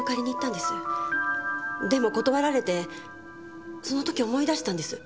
でも断られてその時思い出したんです。